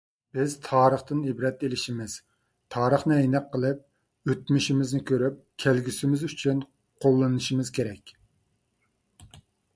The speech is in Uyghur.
بىز تارىختىن ئىبرەت ئېلىشىمىز، تارىخنى ئەينەك قىلىپ ئۆتمۈشىمىزنى كۆرۈپ، كەلگۈسىمىز ئۈچۈن قوللىنىشىمىز كېرەك.